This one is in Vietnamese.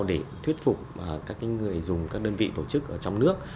để thuyết phục các người dùng các đơn vị tổ chức ở trong nước